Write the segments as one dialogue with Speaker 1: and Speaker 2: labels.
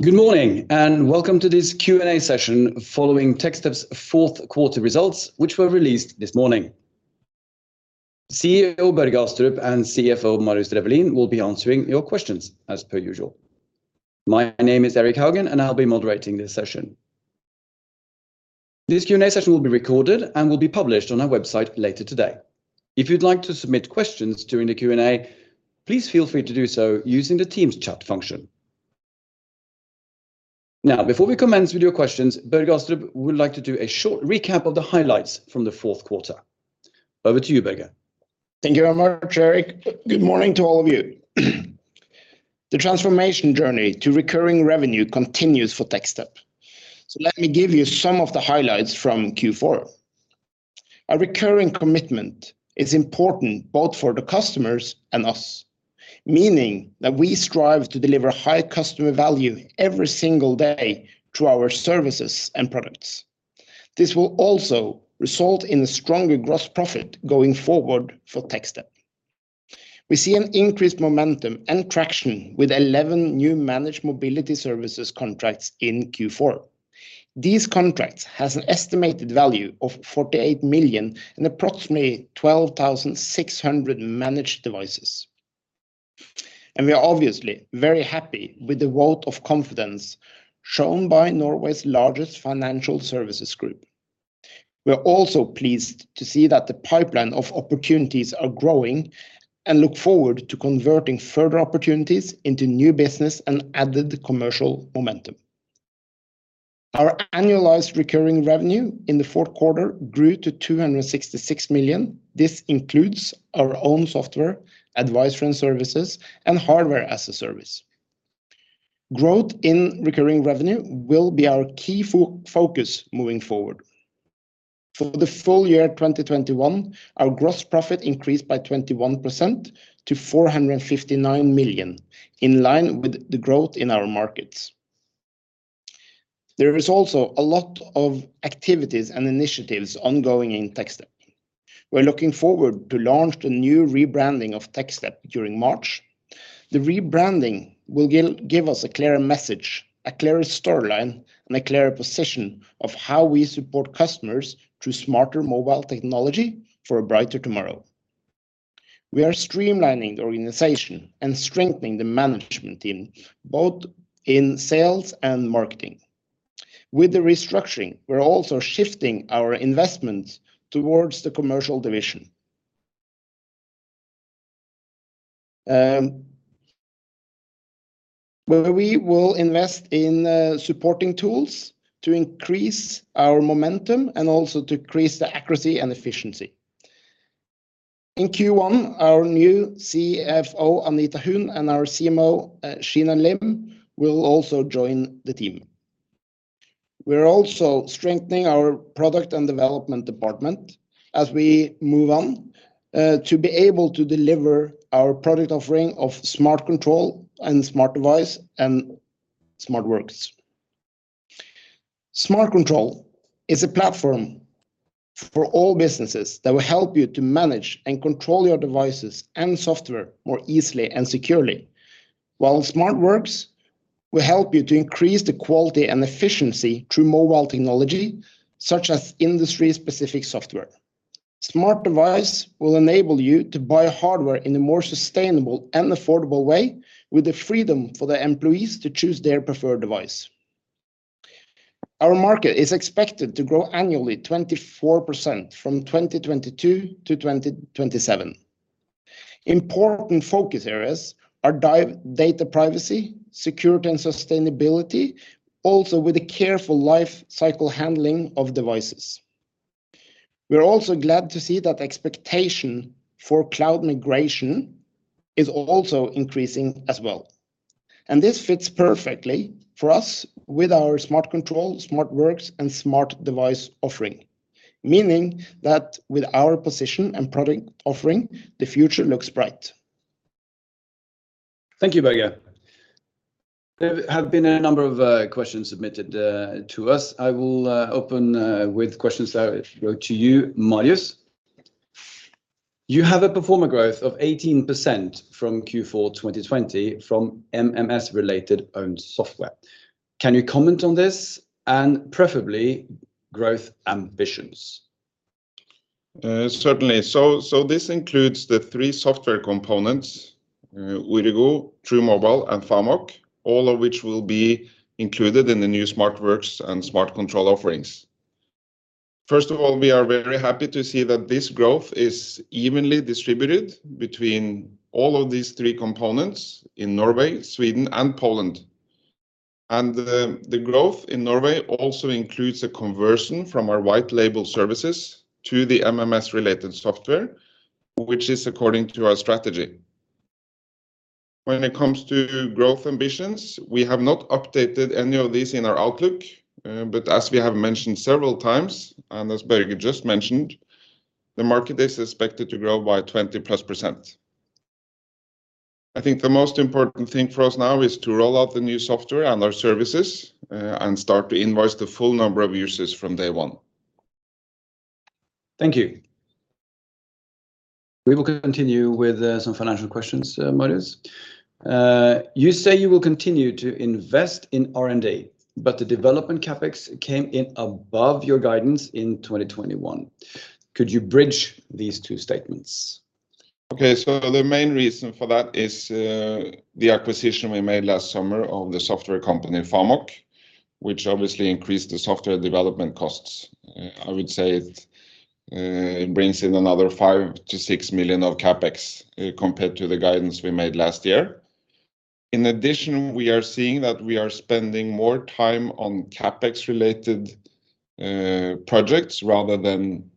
Speaker 1: Good morning, and welcome to this Q&A session following Techstep's fourth quarter results, which were released this morning. CEO, Børge Astrup and CFO, Marius Drefvelin will be answering your questions as per usual. My name is Erik Haugen, and I'll be moderating this session. This Q&A session will be recorded and will be published on our website later today. If you'd like to submit questions during the Q&A, please feel free to do so using the Teams chat function. Now, before we commence with your questions, Børge Astrup, would like to do a short recap of the highlights from the fourth quarter. Over to you, Børge.
Speaker 2: Thank you very much, Erik. Good morning to all of you. The transformation journey to recurring revenue continues for Techstep, so let me give you some of the highlights from Q4. Our recurring commitment is important both for the customers and us, meaning that we strive to deliver high customer value every single day through our services and products. This will also result in stronger gross profit going forward for Techstep. We see an increased momentum and traction with 11 new managed mobility services contracts in Q4. These contracts has an estimated value of 48 million and approximately 12,600 managed devices. We are obviously very happy with the vote of confidence shown by Norway's largest financial services group. We are also pleased to see that the pipeline of opportunities are growing and look forward to converting further opportunities into new business and added commercial momentum. Our annualized recurring revenue in the fourth quarter grew to 266 million. This includes our own software, advisory services, and hardware as a service. Growth in recurring revenue will be our key focus moving forward. For the full year 2021, our gross profit increased by 21% to 459 million, in line with the growth in our markets. There is also a lot of activities and initiatives ongoing in Techstep. We're looking forward to launch the new rebranding of Techstep during March. The rebranding will give us a clearer message, a clearer storyline, and a clearer position of how we support customers through smarter mobile technology for a brighter tomorrow. We are streamlining the organization and strengthening the management team, both in sales and marketing. With the restructuring, we're also shifting our investments towards the commercial division. Where we will invest in supporting tools to increase our momentum and also to increase the accuracy and efficiency. In Q1, our new CFO, Anita Huun, and our CMO, Sheena Lim, will also join the team. We're also strengthening our product and development department as we move on to be able to deliver our product offering of SmartControl and SmartDevice and SmartWorks. SmartControl, is a platform for all businesses that will help you to manage and control your devices and software more easily and securely. While SmartWorks, will help you to increase the quality and efficiency through mobile technology, such as industry-specific software. SmartDevice, will enable you to buy hardware in a more sustainable and affordable way, with the freedom for the employees to choose their preferred device. Our market is expected to grow annually 24% from 2022 to 2027. Important focus areas are data privacy, security, and sustainability, also with a careful lifecycle handling of devices. We're also glad to see that expectation for cloud migration is also increasing as well, and this fits perfectly for us with our SmartControl, SmartWorks, and SmartDevice offering, meaning that with our position and product offering, the future looks bright.
Speaker 1: Thank you, Børge. There have been a number of questions submitted to us. I will open with questions that go to you, Marius. You have a pro forma growth of 18% from Q4 2020 from MMS-related owned software. Can you comment on this and preferably growth ambitions?
Speaker 3: Certainly. This includes the three software components, Wirigo, True Mobile, and FAMOC, all of which will be included in the new SmartWorks and SmartControl offerings. First of all, we are very happy to see that this growth is evenly distributed between all of these three components in Norway, Sweden, and Poland. The growth in Norway also includes a conversion from our white label services to the MMS-related software, which is according to our strategy. When it comes to growth ambitions, we have not updated any of these in our outlook, but as we have mentioned several times, and as Børge just mentioned, the market is expected to grow by 20%+. I think the most important thing for us now is to roll out the new software and our services, and start to invoice the full number of users from day one.
Speaker 1: Thank you. We will continue with some financial questions, Marius. You say you will continue to invest in R&D, but the development CapEx came in above your guidance in 2021. Could you bridge these two statements?
Speaker 3: Okay. The main reason for that is, the acquisition we made last summer of the software company, FAMOC, which obviously increased the software development costs. I would say it brings in another 5 million-6 million of CapEx, compared to the guidance we made last year. In addition, we are seeing that we are spending more time on CapEx related projects rather than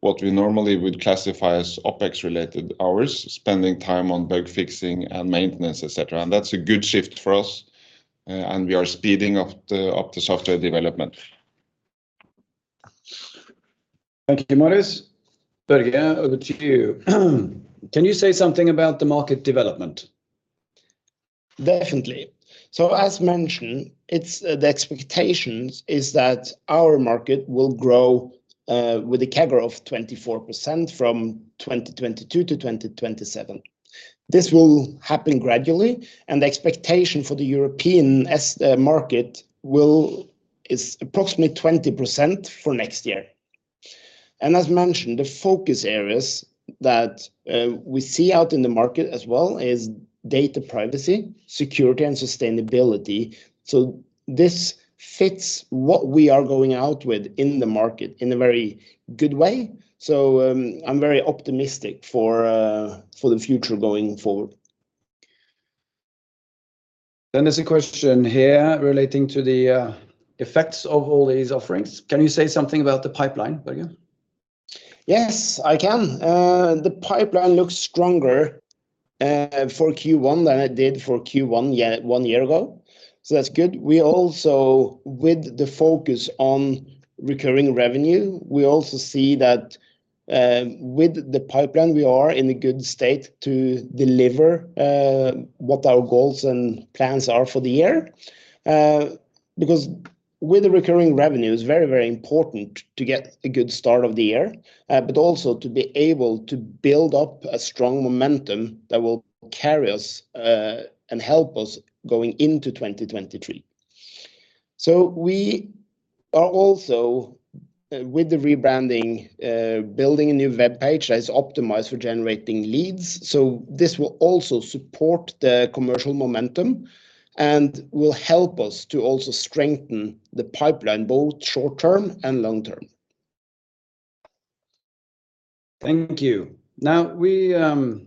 Speaker 3: what we normally would classify as OpEx related hours, spending time on bug fixing and maintenance, et cetera, and that's a good shift for us, and we are speeding up the software development.
Speaker 1: Thank you, Marius. Børge, over to you. Can you say something about the market development?
Speaker 2: Definitely. As mentioned, it's the expectation is that our market will grow with a CAGR of 24% from 2022 to 2027. This will happen gradually, and the expectation for the European market is approximately 20% for next year. As mentioned, the focus areas that we see out in the market as well is data privacy, security, and sustainability. This fits what we are going out with in the market in a very good way. I'm very optimistic for the future going forward.
Speaker 1: There's a question here relating to the effects of all these offerings. Can you say something about the pipeline, Børge?
Speaker 2: Yes. I can. The pipeline looks stronger for Q1 than it did for Q1 one year ago, so that's good. We also, with the focus on recurring revenue, we also see that, with the pipeline, we are in a good state to deliver what our goals and plans are for the year. Because with the recurring revenue, it's very, very important to get a good start of the year, but also to be able to build up a strong momentum that will carry us and help us going into 2023. We are also, with the rebranding, building a new webpage that is optimized for generating leads. This will also support the commercial momentum and will help us to also strengthen the pipeline, both short-term and long-term.
Speaker 1: Thank you. Now, we are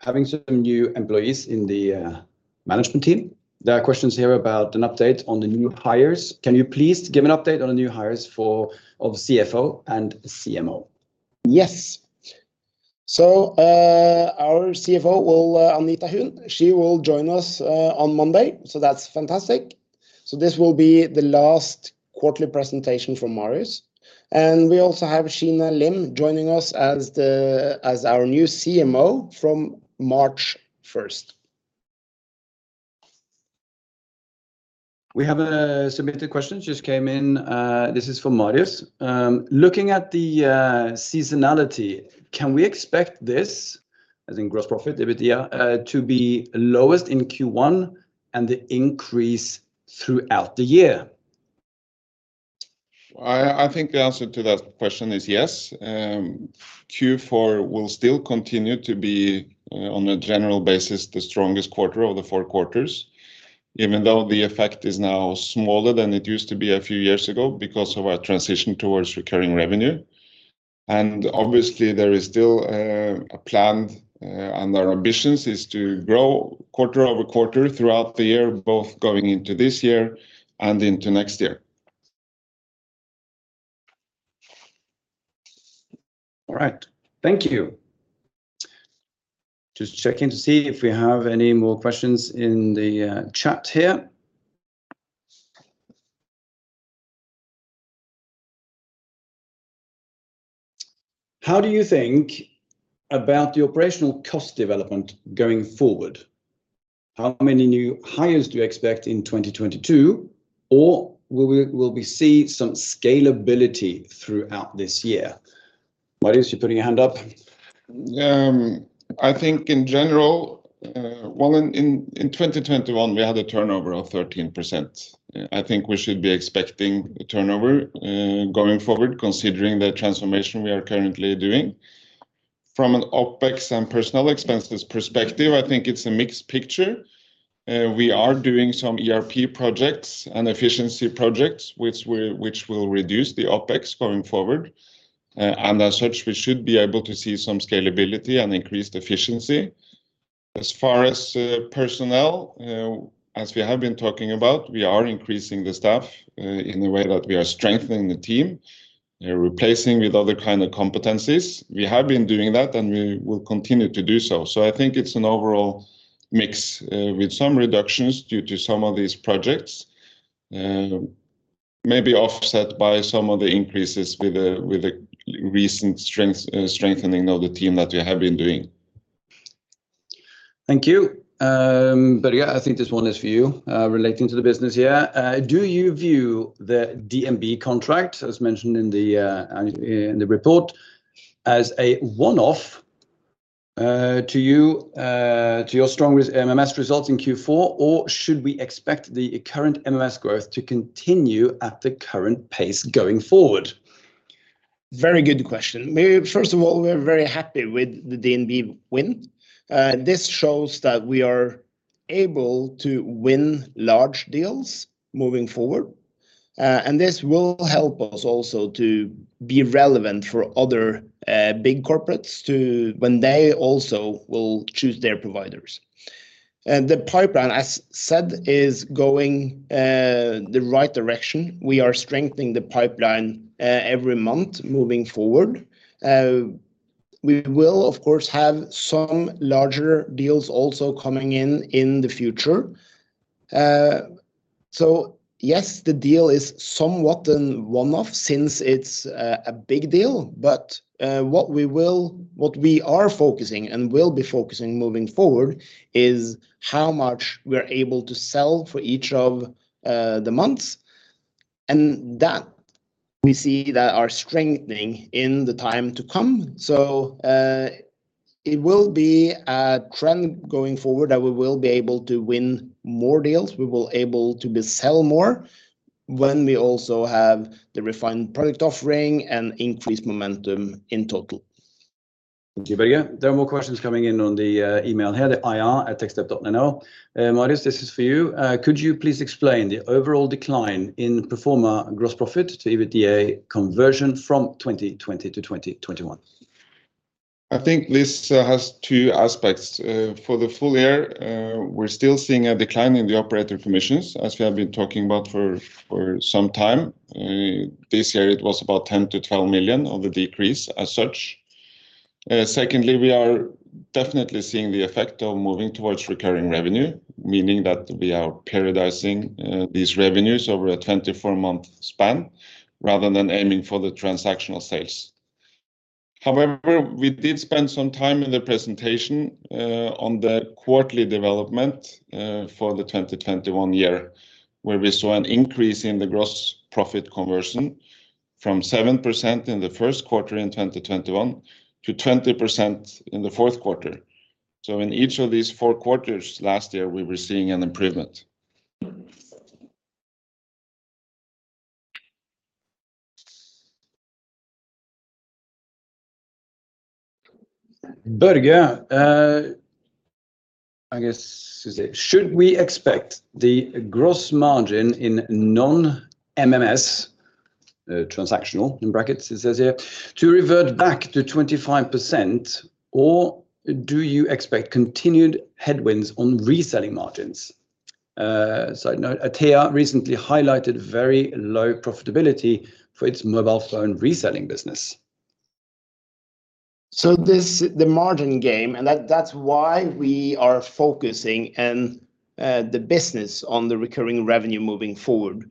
Speaker 1: having some new employees in the management team. There are questions here about an update on the new hires. Can you please give an update on the new hires for CFO and CMO?
Speaker 2: Yes. Our CFO will, Anita Huun, she will join us on Monday, so that's fantastic. This will be the last quarterly presentation from Marius. We also have Sheena Lim joining us as our new CMO from March first.
Speaker 1: We have a submitted question, just came in. This is for Marius. Looking at the seasonality, can we expect this, as in gross profit EBITDA, to be lowest in Q1 and increase throughout the year?
Speaker 3: I think the answer to that question is yes. Q4 will still continue to be, on a general basis, the strongest quarter of the four quarters, even though the effect is now smaller than it used to be a few years ago because of our transition towards recurring revenue. Obviously there is still a plan, and our ambitions is to grow quarter-over-quarter throughout the year, both going into this year and into next year.
Speaker 1: All right. Thank you. Just checking to see if we have any more questions in the chat here. How do you think about the operational cost development going forward? How many new hires do you expect in 2022, or will we see some scalability throughout this year? Marius, you're putting your hand up.
Speaker 3: I think in general, well, in 2021, we had a turnover of 13%. I think we should be expecting a turnover going forward considering the transformation we are currently doing. From an OpEx and personnel expenses perspective, I think it's a mixed picture. We are doing some ERP projects and efficiency projects which will reduce the OpEx going forward. And as such, we should be able to see some scalability and increased efficiency. As far as personnel, as we have been talking about, we are increasing the staff in the way that we are strengthening the team, replacing with other kind of competencies. We have been doing that, and we will continue to do so. I think it's an overall mix with some reductions due to some of these projects, maybe offset by some of the increases with the recent strengthening of the team that we have been doing.
Speaker 1: Thank you. Yeah, I think this one is for you, relating to the business here. Do you view the DNB contract, as mentioned in the report, as a one-off to your strong MMS results in Q4, or should we expect the current MMS growth to continue at the current pace going forward?
Speaker 2: Very good question. First of all, we're very happy with the DNB win. This shows that we are able to win large deals moving forward, and this will help us also to be relevant for other big corporates to when they also will choose their providers. The pipeline, as said, is going the right direction. We are strengthening the pipeline every month moving forward. We will of course have some larger deals also coming in in the future. Yes, the deal is somewhat a one-off since it's a big deal. What we are focusing and will be focusing moving forward is how much we're able to sell for each of the months, and that we see that are strengthening in the time to come. It will be a trend going forward that we will be able to win more deals. We will be able to sell more when we also have the refined product offering and increased momentum in total.
Speaker 1: Thank you, Børge. There are more questions coming in on the email here, the ir@techstep.no. Marius, this is for you. Could you please explain the overall decline in pro forma gross profit to EBITDA conversion from 2020 to 2021?
Speaker 3: I think this has two aspects. For the full year, we're still seeing a decline in the operator commissions, as we have been talking about for some time. This year it was about 10 million-12 million of the decrease as such. Secondly, we are definitely seeing the effect of moving towards recurring revenue, meaning that we are periodizing these revenues over a 24-month span rather than aiming for the transactional sales. However, we did spend some time in the presentation on the quarterly development for the 2021 year, where we saw an increase in the gross profit conversion from 7% in the first quarter in 2021 to 20% in the fourth quarter. In each of these four quarters last year, we were seeing an improvement.
Speaker 1: Børge, I guess, should we expect the gross margin in non-MMS, transactional, in brackets it says here, to revert back to 25%, or do you expect continued headwinds on reselling margins? Side note, Atea recently highlighted very low profitability for its mobile phone reselling business.
Speaker 2: This, the margin game, and that's why we are focusing the business on the recurring revenue moving forward,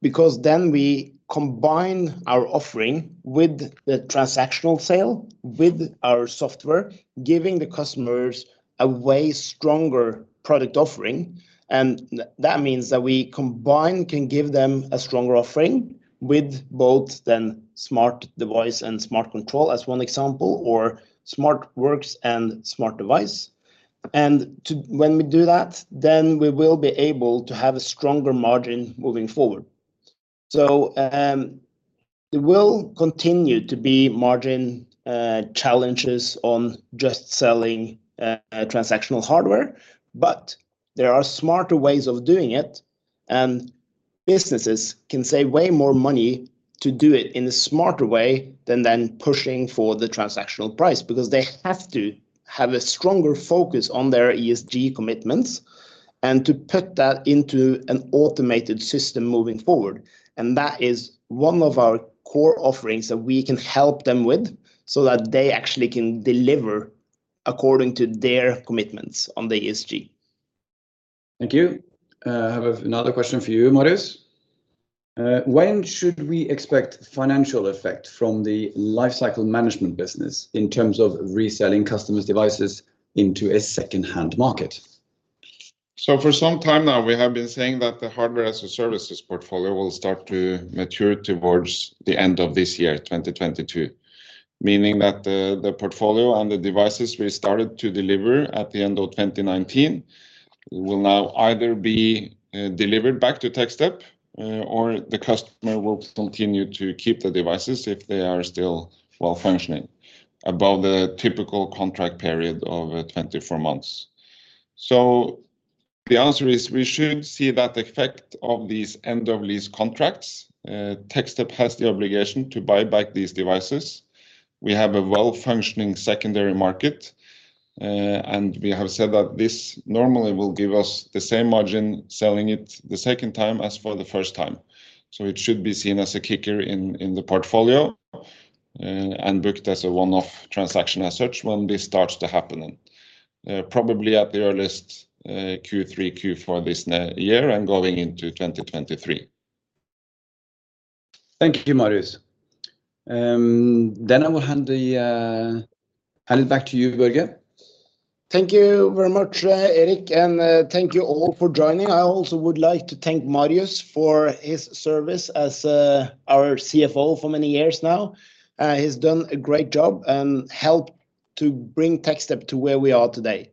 Speaker 2: because then we combine our offering with the transactional sale, with our software, giving the customers a way stronger product offering. That means that we can give them a stronger offering with both SmartDevice and SmartControl as one example, or SmartWorks and SmartDevice. When we do that, then we will be able to have a stronger margin moving forward. There will continue to be margin challenges on just selling transactional hardware, but there are smarter ways of doing it, and businesses can save way more money to do it in a smarter way than pushing for the transactional price, because they have to have a stronger focus on their ESG commitments and to put that into an automated system moving forward. That is one of our core offerings that we can help them with so that they actually can deliver according to their commitments on the ESG.
Speaker 1: Thank you. I have another question for you, Marius. When should we expect financial effect from the lifecycle management business in terms of reselling customers' devices into a second-hand market?
Speaker 3: For some time now, we have been saying that the Hardware-as-a-Service portfolio will start to mature towards the end of this year, 2022. Meaning that the portfolio and the devices we started to deliver at the end of 2019 will now either be delivered back to Techstep, or the customer will continue to keep the devices if they are still well-functioning above the typical contract period of 24 months. The answer is we should see that effect of these end of lease contracts. Techstep has the obligation to buy back these devices. We have a well-functioning secondary market, and we have said that this normally will give us the same margin selling it the second time as for the first time. It should be seen as a kicker in the portfolio, and booked as a one-off transaction as such when this starts to happen. Probably at the earliest, Q3, Q4 this year and going into 2023.
Speaker 1: Thank you, Marius. I will hand it back to you, Børge.
Speaker 2: Thank you very much, Erik, and thank you all for joining. I also would like to thank Marius for his service as our CFO for many years now. He's done a great job and helped to bring Techstep to where we are today.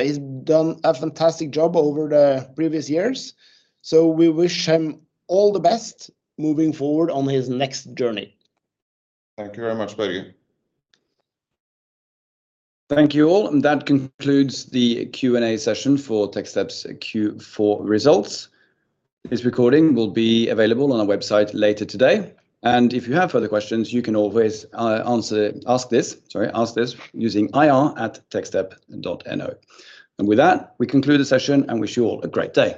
Speaker 2: He's done a fantastic job over the previous years, so we wish him all the best moving forward on his next journey.
Speaker 3: Thank you very much, Børge.
Speaker 1: Thank you all, and that concludes the Q&A session for Techstep's Q4 results. This recording will be available on our website later today. If you have further questions, you can always ask this using ir@techstep.no. With that, we conclude the session and wish you all a great day.